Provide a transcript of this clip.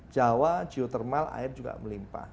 jawa geotermal air juga melimpah